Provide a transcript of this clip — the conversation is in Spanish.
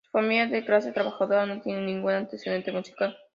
Su familia de clase trabajadora no tiene ningún antecedente musical.